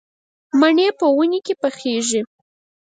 مڼې په ونې کې پخېږي